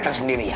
ketika di rumah